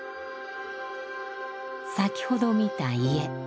先ほど見た家。